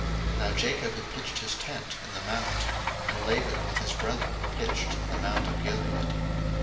Now Jacob had pitched his tent in the mount: and Laban with his brethren pitched in the mount of Gilead.